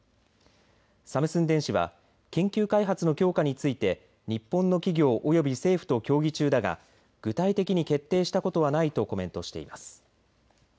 サムスン電子は研究開発の強化について日本の企業および政府と協議中だが具体的に決定したことはないとコメントしています。